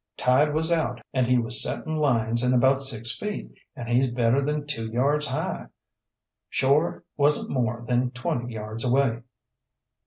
Tide was out and he was settin' lines in about six feet, and he's better than two yards high. Shore wasn't more than twenty yards away."